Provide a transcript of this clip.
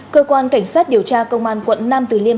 cơ quan cảnh sát điều tra công an quận nam từ liêm